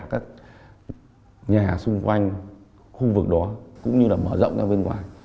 các nhà xung quanh khu vực đó cũng như là mở rộng ra bên ngoài